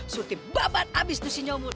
surti babat habis itu nyomud